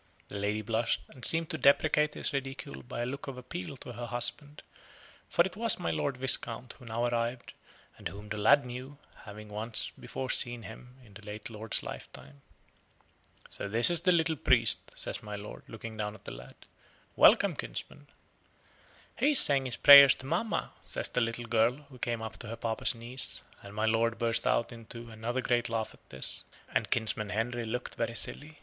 The lady blushed, and seemed to deprecate his ridicule by a look of appeal to her husband, for it was my Lord Viscount who now arrived, and whom the lad knew, having once before seen him in the late lord's lifetime. "So this is the little priest" says my lord, looking down at the lad; "welcome, kinsman." "He is saying his prayers to mamma," says the little girl, who came up to her papa's knees; and my lord burst out into another great laugh at this, and kinsman Henry looked very silly.